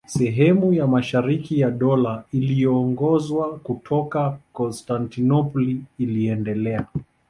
Sehemu ya mashariki ya Dola iliyoongozwa kutoka Konstantinopoli iliendelea.